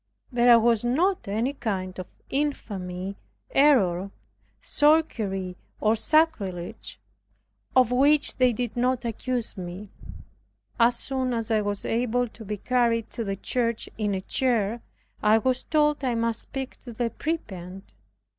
There was not any kind of infamy, error, sorcery, or sacrilege, of which they did not accuse me. As soon as I was able to be carried to the church in a chair, I was told I must speak to the prebend.